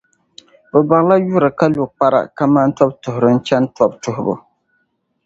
Bɛ barila yuri, ka lo kpara kaman tɔbutuhira n-chani tɔbu tuhibu.